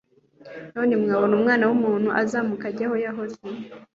None mwabona Umwana w'umuntu azamuka ajya aho yahoze,